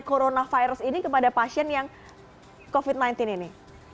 coronavirus ini kepada pasien yang covid sembilan belas ini